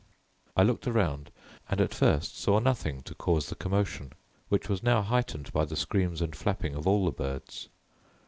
I looked around and at first saw nothing to cause the commotion, which was now heightened by the screams and flapping of all the birds.